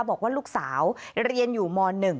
บอกว่าลูกสาวเรียนอยู่ม๑